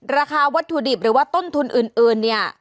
ราคาวัตถุดิบหรือว่าต้นทุนอื่นเนี่ย